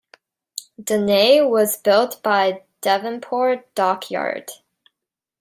"Danae" was built by Devonport Dockyard.